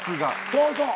そうそう。